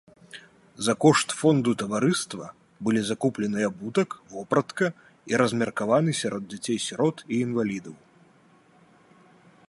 За кошт фонду таварыства былі закуплены абутак, вопратка і размеркаваны сярод дзяцей-сірот і інвалідаў.